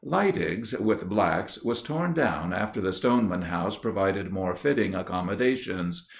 Leidig's, with Black's, was torn down after the Stoneman House provided more fitting accommodations.